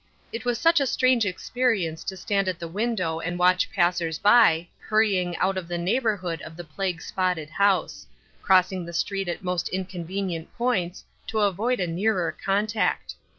It was such a strange experience to stand at the window and watch passers by, hurrying out of the neighborhood of the plague spotted house; crossing the street at most inconvenient points, to avoid a nearer contact.